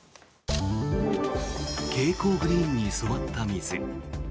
蛍光グリーンに染まった水。